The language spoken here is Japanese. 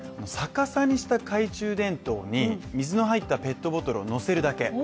逆さにした懐中電灯に、水の入ったペットボトルを載せるだけ。